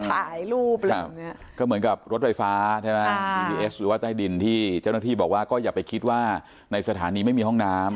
ถ่ายรูปอะไรแบบนี้ก็เหมือนกับรถไฟฟ้าใช่ไหมบีดีเอสหรือว่าใต้ดินที่เจ้าหน้าที่บอกว่าก็อย่าไปคิดว่าในสถานีไม่มีห้องน้ำ